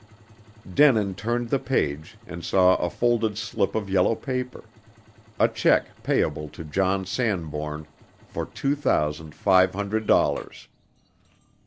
Denin turned the page, and saw a folded slip of yellow paper: a check payable to John Sanbourne for two thousand five hundred dollars.